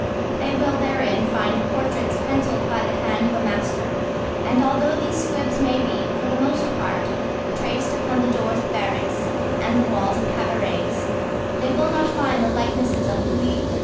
They will therein find portraits penciled by the hand of a master; and although these squibs may be, for the most part, traced upon the doors of barracks and the walls of cabarets, they will not find the likenesses of Louis XIII.